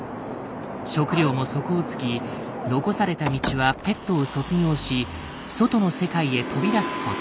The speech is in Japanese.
食料も底をつき残された道はペットを卒業し外の世界へ飛び出すこと。